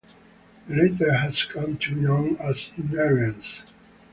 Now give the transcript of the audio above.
The latter has come to be known as inherence.